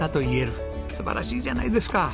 素晴らしいじゃないですか。